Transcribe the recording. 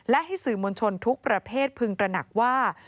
และให้สื่อมวลชนทุกประเภทพึงตระหนักว่า